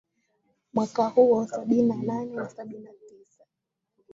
mwaka huo sabini na nane sabini na tisa